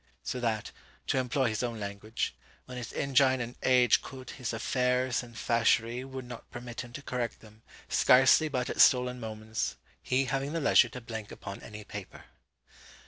So that (to employ his own language) 'when his ingyne and age could, his affaires and fascherie would not permit him to correct them, scarslie but at stolen moments, he having the leisure to blenk upon any paper.'